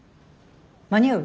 間に合う？